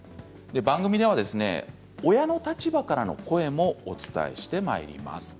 番組では親の立場からの声もお伝えしてまいります。